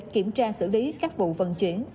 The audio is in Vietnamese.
kiểm tra xử lý các vụ vận chuyển